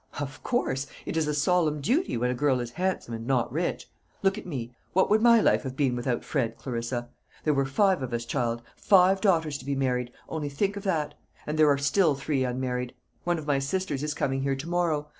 "Of course; it is a solemn duty when a girl is handsome and not rich. Look at me: what would my life have been without Fred, Clarissa? There were five of us, child: five daughters to be married, only think of that; and there are still three unmarried. One of my sisters is coming here to morrow.